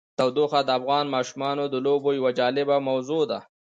تودوخه د افغان ماشومانو د لوبو یوه جالبه موضوع ده.